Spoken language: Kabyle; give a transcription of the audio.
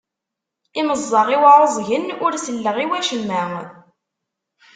Imeẓẓaɣ-iw ɛuẓgen ur selleɣ i wacemma.